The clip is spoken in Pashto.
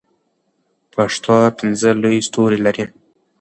پښتو پنځه لوی ستوري لري.